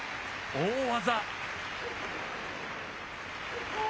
大技。